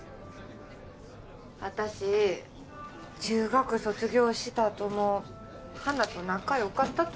私中学卒業したあとも花と仲良かったとよ。